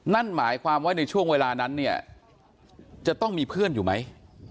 นั่นหมายความว่าในช่วงเวลานั้นเนี่ยจะต้องมีเพื่อนอยู่ไหม